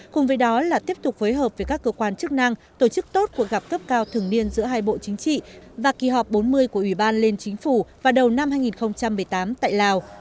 cùng với đó là tiếp tục phối hợp với các cơ quan chức năng tổ chức tốt cuộc gặp cấp cao thường niên giữa hai bộ chính trị và kỳ họp bốn mươi của ủy ban liên chính phủ vào đầu năm hai nghìn một mươi tám tại lào